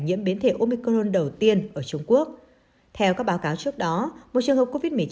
nhiễm biến thể omicron đầu tiên ở trung quốc theo các báo cáo trước đó một trường hợp covid một mươi chín